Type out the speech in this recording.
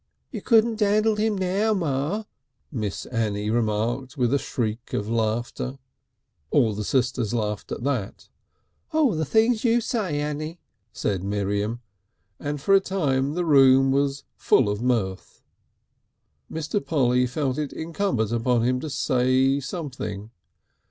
"You couldn't dandle him now, Ma!" Miss Annie remarked with a shriek of laughter. All the sisters laughed at that. "The things you say, Annie!" said Miriam, and for a time the room was full of mirth. Mr. Polly felt it incumbent upon him to say something.